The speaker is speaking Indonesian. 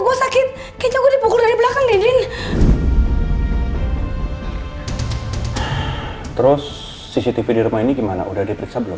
gue sakit kecok udah dipukul dari belakang ini terus cctv di rumah ini gimana udah diperiksa belum